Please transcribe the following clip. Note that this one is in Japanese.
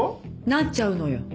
なっちゃうのよ。